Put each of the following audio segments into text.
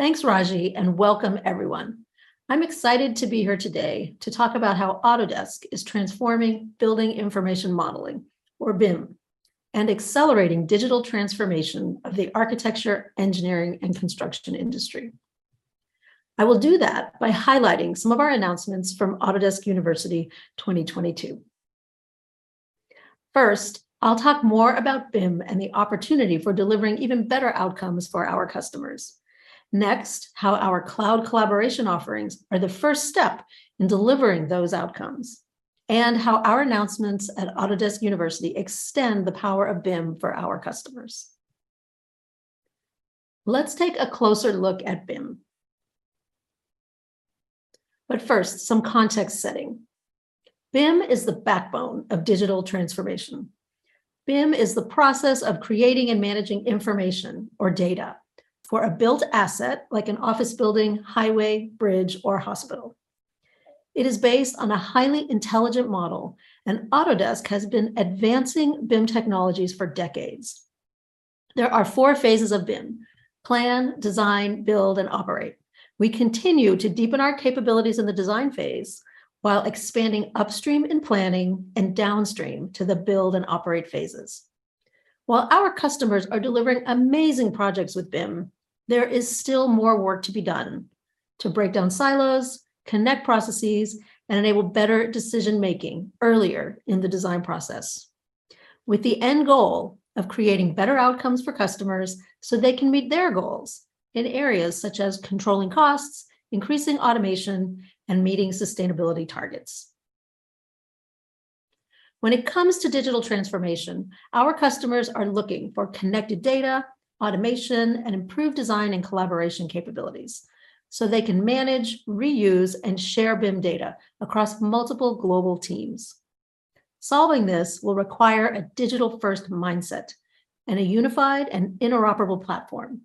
Thanks, Raji, and welcome everyone. I'm excited to be here today to talk about how Autodesk is transforming building information modeling, or BIM, and accelerating digital transformation of the architecture, engineering, and construction industry. I will do that by highlighting some of our announcements from Autodesk University 2022. First, I'll talk more about BIM and the opportunity for delivering even better outcomes for our customers. Next, how our cloud collaboration offerings are the first step in delivering those outcomes, and how our announcements at Autodesk University extend the power of BIM for our customers. Let's take a closer look at BIM. First, some context setting. BIM is the backbone of digital transformation. BIM is the process of creating and managing information or data for a built asset, like an office building, highway, bridge, or hospital. It is based on a highly intelligent model, and Autodesk has been advancing BIM technologies for decades. There are four phases of BIM, plan, design, build, and operate. We continue to deepen our capabilities in the design phase while expanding upstream in planning and downstream to the build and operate phases. While our customers are delivering amazing projects with BIM, there is still more work to be done to break down silos, connect processes, and enable better decision-making earlier in the design process, with the end goal of creating better outcomes for customers so they can meet their goals in areas such as controlling costs, increasing automation, and meeting sustainability targets. When it comes to digital transformation, our customers are looking for connected data, automation, and improved design and collaboration capabilities so they can manage, reuse, and share BIM data across multiple global teams. Solving this will require a digital-first mindset and a unified and interoperable platform,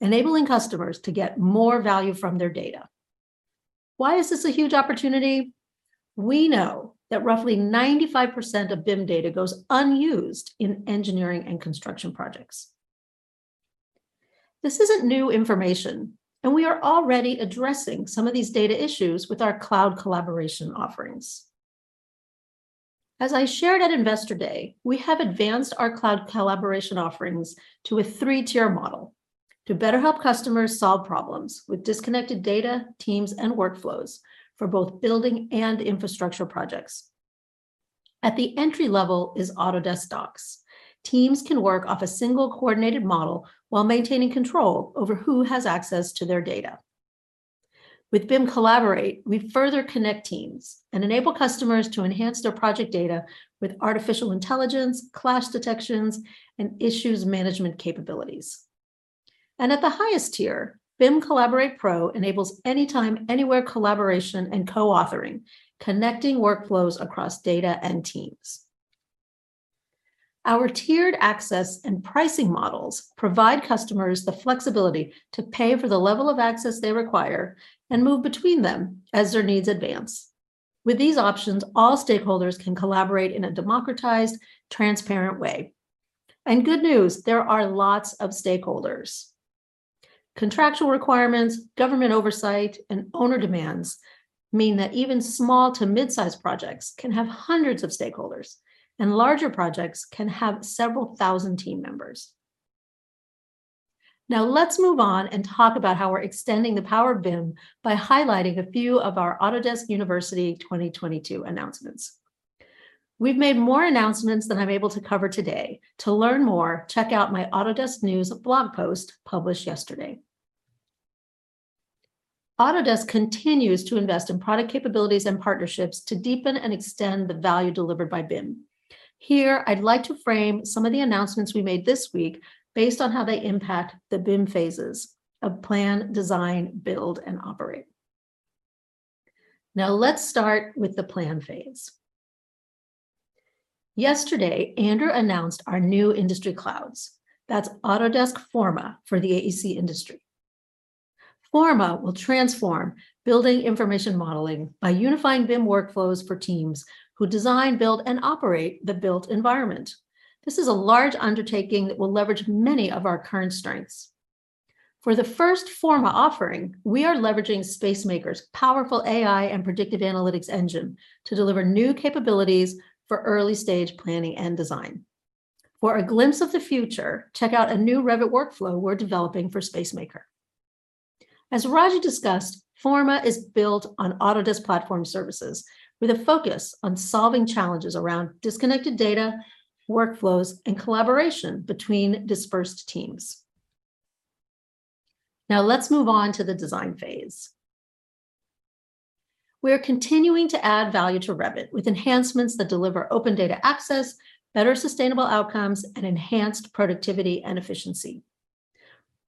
enabling customers to get more value from their data. Why is this a huge opportunity? We know that roughly 95% of BIM data goes unused in engineering and construction projects. This isn't new information, and we are already addressing some of these data issues with our cloud collaboration offerings. As I shared at Investor Day, we have advanced our cloud collaboration offerings to a three-tier model to better help customers solve problems with disconnected data, teams, and workflows for both building and infrastructure projects. At the entry level is Autodesk Docs. Teams can work off a single coordinated model while maintaining control over who has access to their data. With BIM Collaborate, we further connect teams and enable customers to enhance their project data with artificial intelligence, clash detections, and issues management capabilities. At the highest tier, BIM Collaborate Pro enables anytime, anywhere collaboration and co-authoring, connecting workflows across data and teams. Our tiered access and pricing models provide customers the flexibility to pay for the level of access they require and move between them as their needs advance. With these options, all stakeholders can collaborate in a democratized, transparent way. Good news, there are lots of stakeholders. Contractual requirements, government oversight, and owner demands mean that even small to mid-size projects can have hundreds of stakeholders, and larger projects can have several thousand team members. Now let's move on and talk about how we're extending the power of BIM by highlighting a few of our Autodesk University 2022 announcements. We've made more announcements than I'm able to cover today. To learn more, check out my Autodesk News blog post published yesterday. Autodesk continues to invest in product capabilities and partnerships to deepen and extend the value delivered by BIM. Here, I'd like to frame some of the announcements we made this week based on how they impact the BIM phases of plan, design, build, and operate. Now let's start with the plan phase. Yesterday, Andrew announced our new industry clouds. That's Autodesk Forma for the AEC industry. Forma will transform building information modeling by unifying BIM workflows for teams who design, build, and operate the built environment. This is a large undertaking that will leverage many of our current strengths. For the first Forma offering, we are leveraging Spacemaker's powerful AI and predictive analytics engine to deliver new capabilities for early-stage planning and design. For a glimpse of the future, check out a new Revit workflow we're developing for Spacemaker. As Raji discussed, Forma is built on Autodesk Platform Services with a focus on solving challenges around disconnected data, workflows, and collaboration between dispersed teams. Now let's move on to the design phase. We are continuing to add value to Revit with enhancements that deliver open data access, better sustainable outcomes, and enhanced productivity and efficiency.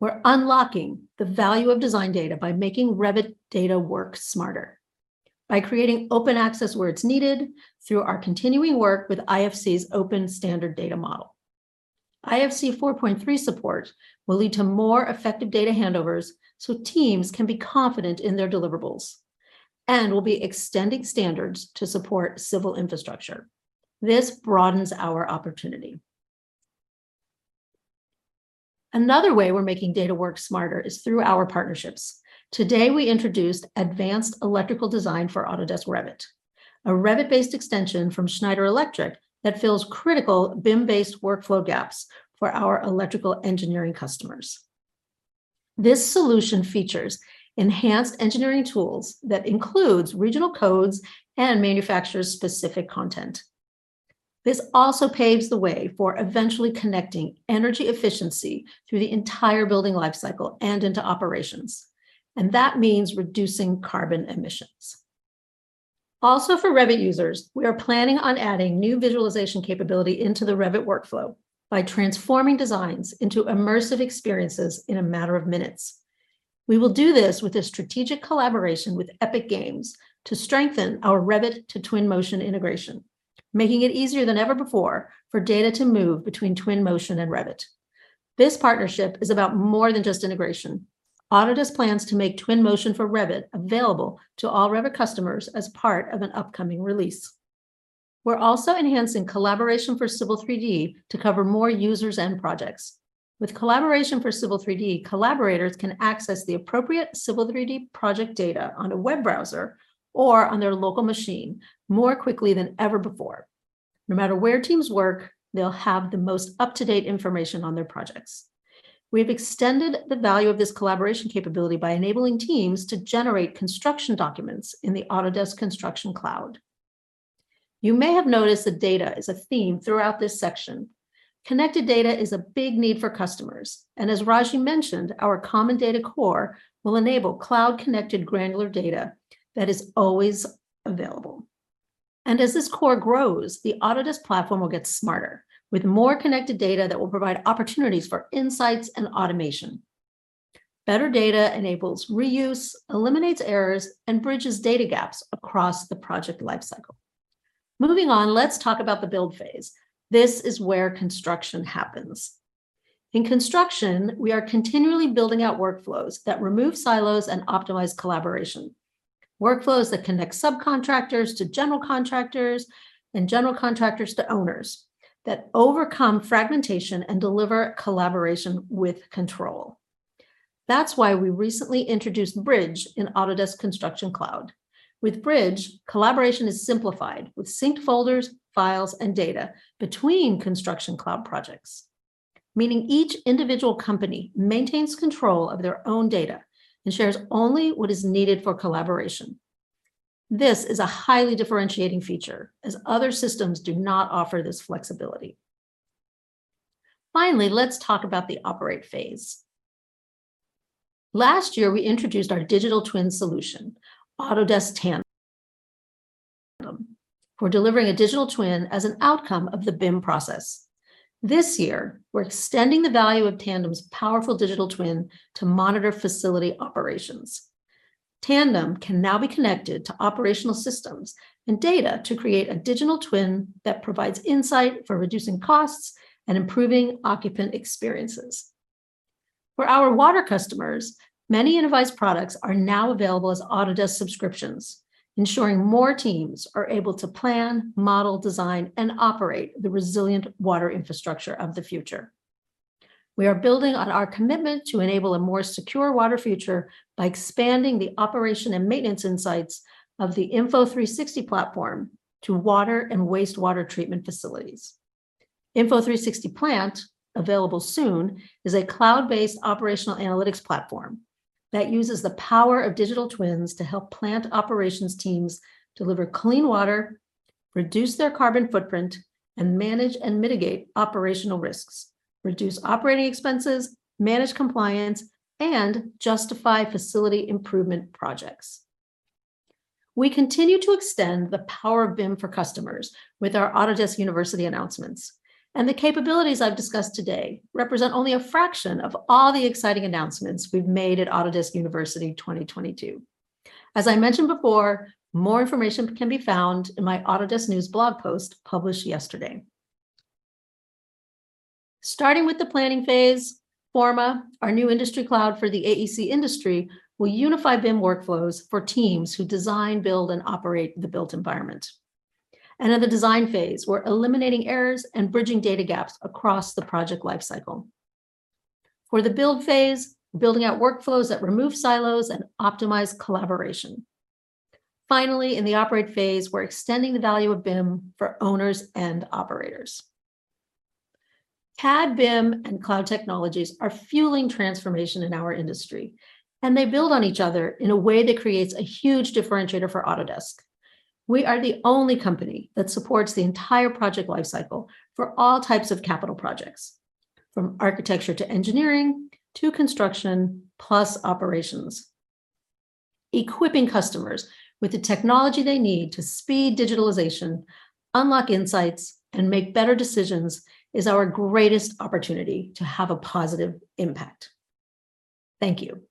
We're unlocking the value of design data by making Revit data work smarter by creating open access where it's needed through our continuing work with IFC's open standard data model. IFC 4.3 support will lead to more effective data handovers so teams can be confident in their deliverables and will be extending standards to support civil infrastructure. This broadens our opportunity. Another way we're making data work smarter is through our partnerships. Today, we introduced advanced electrical design for Autodesk Revit, a Revit-based extension from Schneider Electric that fills critical BIM-based workflow gaps for our electrical engineering customers. This solution features enhanced engineering tools that includes regional codes and manufacturer-specific content. This also paves the way for eventually connecting energy efficiency through the entire building life cycle and into operations, and that means reducing carbon emissions. Also for Revit users, we are planning on adding new visualization capability into the Revit workflow by transforming designs into immersive experiences in a matter of minutes. We will do this with a strategic collaboration with Epic Games to strengthen our Revit to Twinmotion integration, making it easier than ever before for data to move between Twinmotion and Revit. This partnership is about more than just integration. Autodesk plans to make Twinmotion for Revit available to all Revit customers as part of an upcoming release. We're also enhancing collaboration for Civil 3D to cover more users and projects. With Collaboration for Civil 3D, collaborators can access the appropriate Civil 3D project data on a web browser or on their local machine more quickly than ever before. No matter where teams work, they'll have the most up-to-date information on their projects. We have extended the value of this collaboration capability by enabling teams to generate construction documents in the Autodesk Construction Cloud. You may have noticed that data is a theme throughout this section. Connected data is a big need for customers, and as Raji mentioned, our common data core will enable cloud-connected granular data that is always available. As this core grows, the Autodesk platform will get smarter with more connected data that will provide opportunities for insights and automation. Better data enables reuse, eliminates errors, and bridges data gaps across the project life cycle. Moving on, let's talk about the build phase. This is where construction happens. In construction, we are continually building out workflows that remove silos and optimize collaboration, workflows that connect subcontractors to general contractors and general contractors to owners, that overcome fragmentation and deliver collaboration with control. That's why we recently introduced Bridge in Autodesk Construction Cloud. With Bridge, collaboration is simplified with synced folders, files, and data between Construction Cloud projects, meaning each individual company maintains control of their own data and shares only what is needed for collaboration. This is a highly differentiating feature, as other systems do not offer this flexibility. Finally, let's talk about the operate phase. Last year, we introduced our digital twin solution, Autodesk Tandem, for delivering a digital twin as an outcome of the BIM process. This year, we're extending the value of Tandem's powerful digital twin to monitor facility operations. Tandem can now be connected to operational systems and data to create a digital twin that provides insight for reducing costs and improving occupant experiences. For our water customers, many Innovyze products are now available as Autodesk subscriptions, ensuring more teams are able to plan, model, design, and operate the resilient water infrastructure of the future. We are building on our commitment to enable a more secure water future by expanding the operation and maintenance insights of the Info360 platform to water and wastewater treatment facilities. Info360 Plant, available soon, is a cloud-based operational analytics platform that uses the power of digital twins to help plant operations teams deliver clean water, reduce their carbon footprint, and manage and mitigate operational risks, reduce operating expenses, manage compliance, and justify facility improvement projects. We continue to extend the power of BIM for customers with our Autodesk University announcements, and the capabilities I've discussed today represent only a fraction of all the exciting announcements we've made at Autodesk University 2022. As I mentioned before, more information can be found in my Autodesk News blog post published yesterday. Starting with the planning phase, Forma, our new industry cloud for the AEC industry, will unify BIM workflows for teams who design, build, and operate the built environment. In the design phase, we're eliminating errors and bridging data gaps across the project life cycle. For the build phase, building out workflows that remove silos and optimize collaboration. Finally, in the operate phase, we're extending the value of BIM for owners and operators. CAD, BIM, and cloud technologies are fueling transformation in our industry, and they build on each other in a way that creates a huge differentiator for Autodesk. We are the only company that supports the entire project life cycle for all types of capital projects, from architecture to engineering to construction, plus operations. Equipping customers with the technology they need to speed digitalization, unlock insights, and make better decisions is our greatest opportunity to have a positive impact. Thank you.